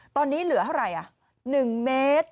ตอนนี้เหลือเท่าไหร่๑เมตร